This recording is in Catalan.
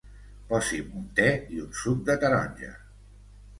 Posi'm un te i un suc de taronja.